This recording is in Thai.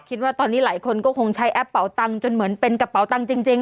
คิดว่าตอนนี้หลายคนก็คงใช้แอปเป่าตังค์จนเหมือนเป็นกระเป๋าตังค์จริง